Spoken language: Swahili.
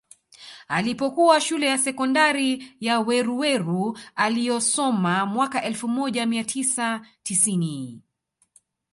Alipokuwa Shule ya Sekondari ya Weruweru aliyosoma mwaka elfu moja mia tisa tisini